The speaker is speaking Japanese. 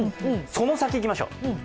その先いきましょう。